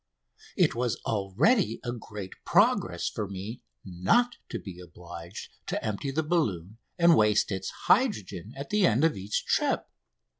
It was already a great progress for me not to be obliged to empty the balloon and waste its hydrogen at the end of each trip.